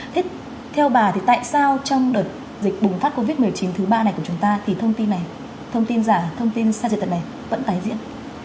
thế theo bà thì tại sao trong đợt dịch bùng phát covid một mươi chín thứ ba này của chúng ta thì thông tin này thông tin giả thông tin sai sự thật này vẫn tái diễn